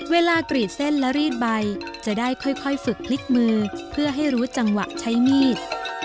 กรีดเส้นและรีดใบจะได้ค่อยฝึกพลิกมือเพื่อให้รู้จังหวะใช้มีด